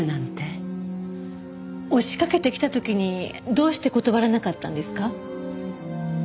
押しかけてきた時にどうして断らなかったんですか？